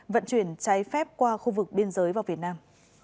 vận chuyển trái phép qua khu vực biên giới vào việt nam